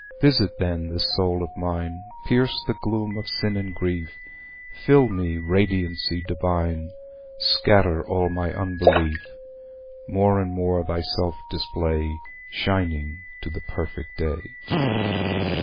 Visit, then, this soul of mine, Pierce the gloom of sin and grief— Fill me, Radiancy Divine, Scatter all my unbelief. More and more thyself display, Shining to the perfect day."